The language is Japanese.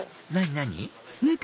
何？